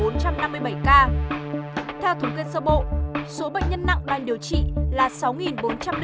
theo thống kênh sơ bộ số bệnh nhân nặng đoàn điều trị là sáu bốn trăm linh bảy ca